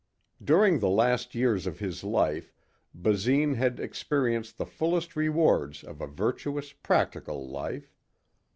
During the last years of his life Basine had experienced the fullest rewards of a virtuous, practical life.